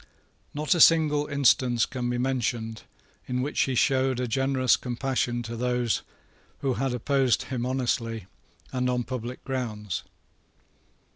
Not a single instance can be mentioned in which he showed a generous compassion to those who had opposed him honestly and on public grounds.